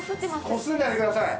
こすらないでください。